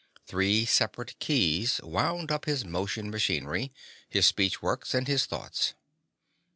Three separate keys wound up his motion machinery, his speech works, and his thoughts.